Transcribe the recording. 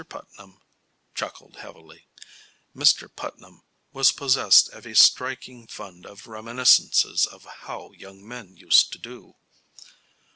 Putnam chuckled heavily. Mr. Putnam was possessed of a striking fund of reminiscences of how young men used to do.